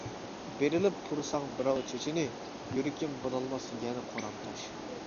بېرىلىپ پۇرىساڭ بىراۋ چېچىنى، يۈرىكىم بولالماس يەنە قورام تاش.